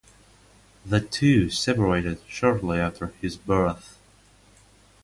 The two separated shortly after his birth.